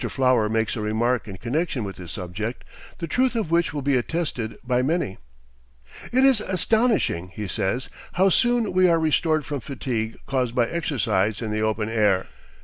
Flower makes a remark in connection with this subject, the truth of which will be attested by many. "It is astonishing," he says, "how soon we are restored from fatigue caused by exercise in the open air.